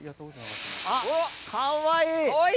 あっかわいい！